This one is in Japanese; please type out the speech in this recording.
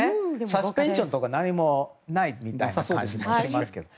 サスペンションとか何もないみたいな感じもしますけど。